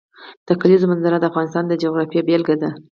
د کلیزو منظره د افغانستان د جغرافیې بېلګه ده.